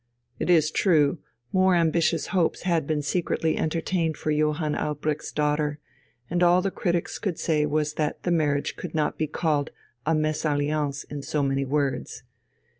It is true, more ambitious hopes had been secretly entertained for Johann Albrecht's daughter, and all the critics could say was that the marriage could not be called a mésalliance in so many words.